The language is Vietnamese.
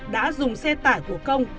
đã dùng xe tải của công